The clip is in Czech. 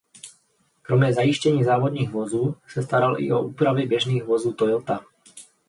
Kromě zajištění závodních vozů se staral i o úpravy běžných vozů Toyota.